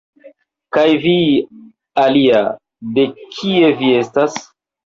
Kaj vi, alia, de kie vi estas?